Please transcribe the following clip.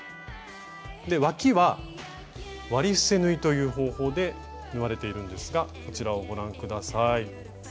わきは「割り伏せ縫い」という方法で縫われているんですがこちらをご覧下さい。